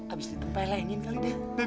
abis ditempel lagi ini kali dara